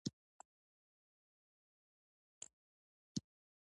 چار مغز د افغان کلتور سره تړاو لري.